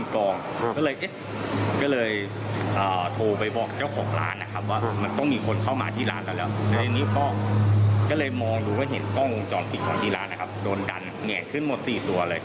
ก็เลยโทรไปบอกเจ้าของร้านนะครับเห็นมีคนเข้ามาที่ร้านแล้ว